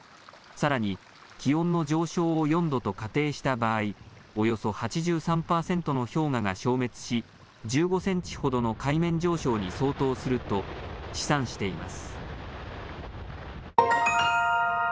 さらに気温の上昇を４度と仮定した場合、およそ８３％の氷河が消滅し１５センチほどの海面上昇に相当すると試算しています。